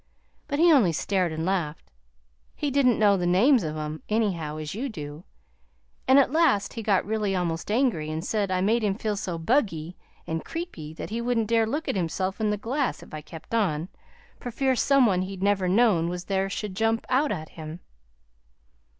But he only stared and laughed. He didn't know the names of 'em, anyhow, as you do, and at last he got really almost angry and said I made him feel so 'buggy' and 'creepy' that he wouldn't dare look at himself in the glass if I kept on, for fear some one he'd never known was there should jump out at him."